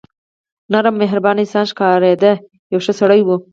نرم او مهربان انسان ښکارېده، یو ښه سړی و.